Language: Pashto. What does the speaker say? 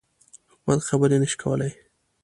حکومت خبري نه شي کولای.